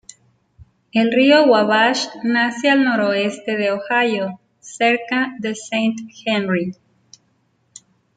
El río Wabash nace al noroeste de Ohio, cerca de Saint Henry.